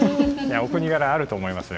お国柄あると思いますよ